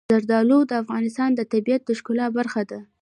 زردالو د افغانستان د طبیعت د ښکلا برخه ده.